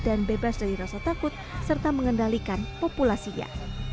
dan bebas dari rasa takut serta mengendalikan populasinya